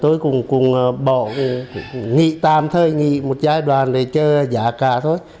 thôi chứ còn càng kéo ra thì chắc là tôi cũng bỏ nghị tạm thời nghị một giai đoạn để cho giá cả thôi